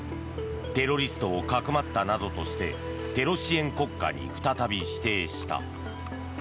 テロリストをかくまったなどとしてテロ支援国家に再び指定した。